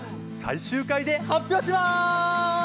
最終回で発表します！